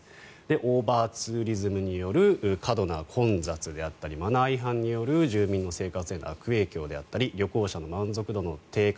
オーバーツーリズムによる過度な混雑であったりマナー違反による住民の生活への悪影響であったり旅行者の満足度の低下